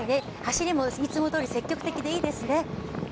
走りもいつもどおり積極的でいいですよね。